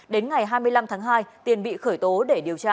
đến ngày hai mươi năm tháng hai tiền bị khởi tố để điều tra